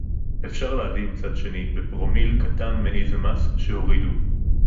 אפשר להביא מצד שני בפרומיל קטן מאיזה מס שהורידו